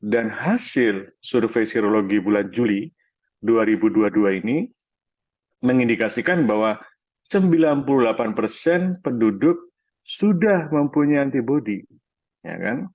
dan hasil survei serologi bulan juli dua ribu dua puluh dua ini mengindikasikan bahwa sembilan puluh delapan persen penduduk sudah mempunyai antibody